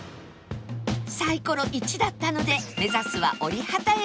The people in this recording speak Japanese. サイコロ１だったので目指すはおりはた駅